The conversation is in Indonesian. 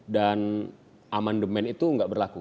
dan amendement itu enggak berlaku